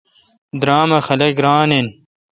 درام اؘ خلق ران این۔